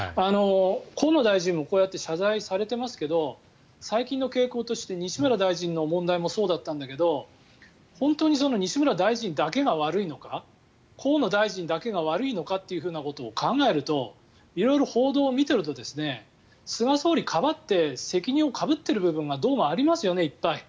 河野大臣もこうやって謝罪されてますけど最近の傾向として西村大臣の問題もそうだったんだけど本当に西村大臣だけが悪いのか河野大臣だけが悪いのかということを考えると色々報道を見ていると菅総理をかばって責任をかぶってる部分はどうもいっぱいありますよね。